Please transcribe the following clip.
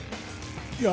いや。